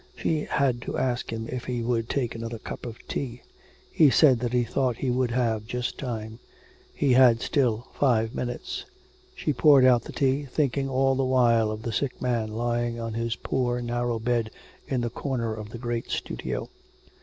She had to ask him if he would take another cup of tea. He said that he thought he would just have time. He had still five minutes. She poured out the tea, thinking all the while of the sick man lying on his poor narrow bed in the corner of the great studio.